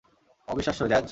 অবিশ্বাস্য, জ্যাজ।